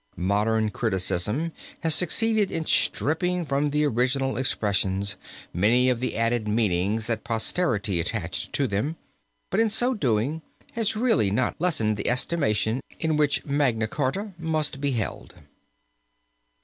Modern criticism has succeeded in stripping from the original expressions many of the added meanings that posterity attached to them, but in so doing has really not lessened the estimation in which Magna Charta must be held.